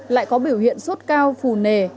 lại có biểu hiện sốt cao phù nề